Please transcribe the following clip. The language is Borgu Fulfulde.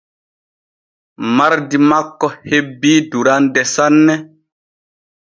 Mardi makko hebii durande sanne.